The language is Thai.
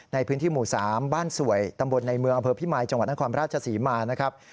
ในพื้นที่หมู่๓บ้านสวยตำบลในเมืองอำเภอพิมายจังหวัดนครราชศรีมานะครับ